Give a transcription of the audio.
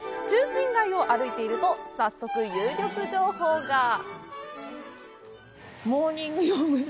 中心街を歩いていると、早速、有力情報が。